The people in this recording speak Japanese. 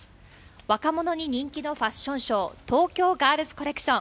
若者に人気のファッションショー、東京ガールズコレクション。